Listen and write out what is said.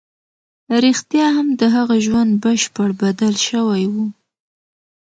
رښتيا هم د هغه ژوند بشپړ بدل شوی و.